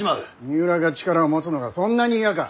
三浦が力を持つのがそんなに嫌か！